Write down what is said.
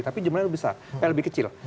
tapi jumlahnya lebih besar lebih kecil